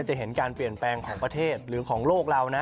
จะเห็นการเปลี่ยนแปลงของประเทศหรือของโลกเรานะ